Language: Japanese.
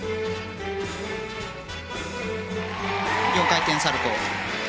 ４回転サルコウ。